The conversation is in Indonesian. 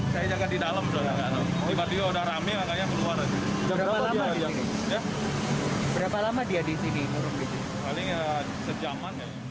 petugas di jalan buluh indah denpasar menjaga salah satu bilik anjungan tunai mandiri atm di salah satu sualayan di jalan buluh indah denpasar senin pagi